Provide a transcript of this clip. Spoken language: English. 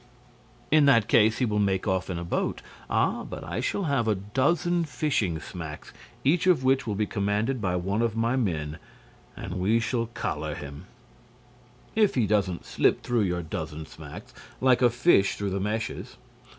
"In that case, he will make off in a boat." "Ah, but I shall have a dozen fishing smacks, each of which will be commanded by one of my men, and we shall collar him—" "If he doesn't slip through your dozen smacks, like a fish through the meshes."